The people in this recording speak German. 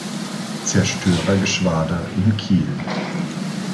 Zerstörergeschwader in Kiel.